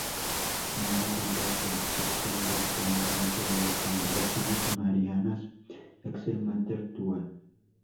Su nombre completo "Sección de Penitencia de las Congregaciones Marianas Ecce Mater Tua".